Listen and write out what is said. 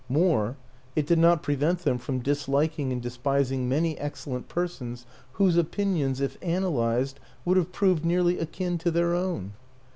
More it did not prevent them from disliking and de Ispising many excellent persons whose opinions, if analyzed, would have proved nearly akin to their own.